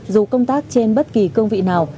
dù công tác trên bất kỳ công vị nào